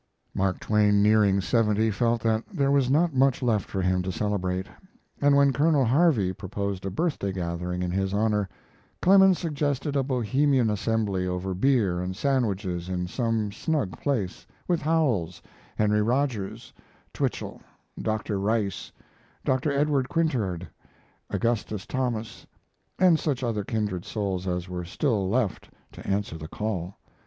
Mark Twain, nearing seventy, felt that there was not much left for him to celebrate; and when Colonel Harvey proposed a birthday gathering in his honor, Clemens suggested a bohemian assembly over beer and sandwiches in some snug place, with Howells, Henry Rogers, Twichell, Dr. Rice, Dr. Edward Quintard, Augustus Thomas, and such other kindred souls as were still left to answer the call.